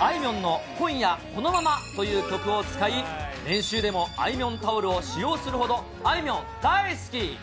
あいみょんの今夜このままという曲を使い、練習でもあいみょんタオルを使用するほど、あいみょん大好き。